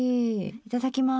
いただきます。